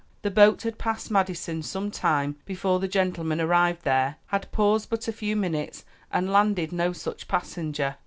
The boat had passed Madison some time before the gentlemen arrived there, had paused but a few minutes and landed no such passenger.